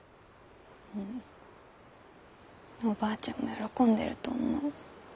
おばあちゃんも喜んでると思う。